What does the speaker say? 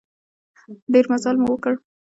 ډېر مزل مو وکړ.